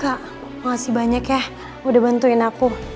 kak masih banyak ya udah bantuin aku